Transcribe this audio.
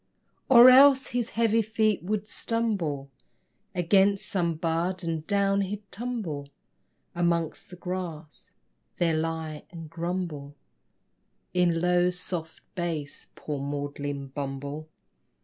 Or else his heavy feet would stumble Against some bud and down he'd tumble Amongst the grass; there lie and grumble In low, soft bass poor maudlin bumble!